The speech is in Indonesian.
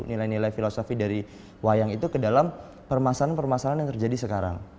nilai nilai filosofi dari wayang itu ke dalam permasalahan permasalahan yang terjadi sekarang